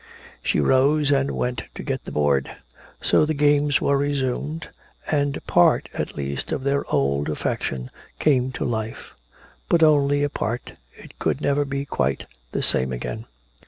She rose and went to get the board. So the games were resumed, and part at least of their old affection came to life. But only a part. It could never be quite the same again.